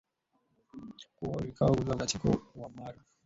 Kuna wilaya zifuatazo katika mkoa wa Mara